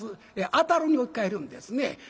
「当たる」に置き換えるんですね。